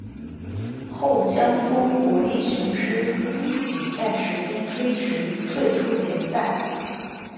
后江苏国立雄狮因比赛时间推迟退出联赛。